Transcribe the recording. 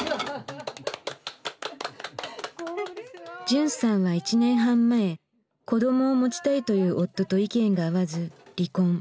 じゅんさんは１年半前子どもを持ちたいという夫と意見が合わず離婚。